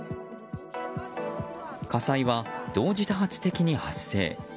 火災は、同時多発的に発生。